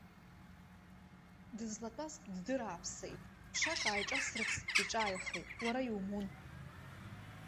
Дызлатәаз ддырааԥсеит, ԥшак ааиҿаирсырц иҿааихеит, уара иумун!